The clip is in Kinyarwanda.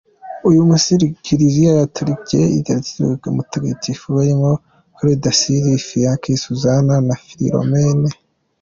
Uyu munsi Kiliziya Gaturika irazirikana mutagatifu barimo Clare d’ Assisi, Fiacre, Suzana na Philomena.